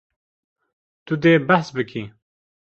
Tu dê behs bikî.